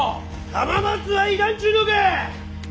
浜松は要らんっちゅうのか！